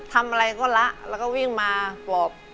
ทำอะไรก็ละแล้วก็วิ่งมาปลอบ